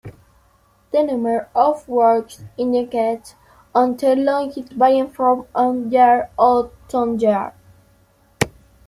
The number of works included on the longlist varies from year to year.